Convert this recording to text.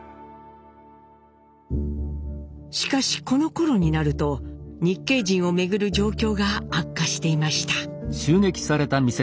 しかしこのころになると日系人をめぐる状況が悪化していました。